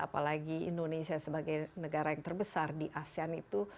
apalagi indonesia sebagai negara yang terbesar di asean itu